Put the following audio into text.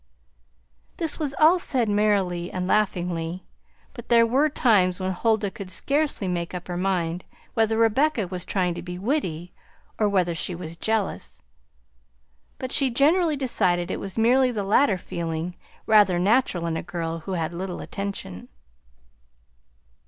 This was all said merrily and laughingly, but there were times when Huldah could scarcely make up her mind whether Rebecca was trying to be witty, or whether she was jealous; but she generally decided it was merely the latter feeling, rather natural in a girl who had little attention.